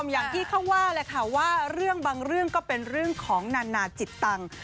อย่างที่เขาว่าแหละค่ะว่าเรื่องบางเรื่องก็เป็นเรื่องของนานาจิตตังค์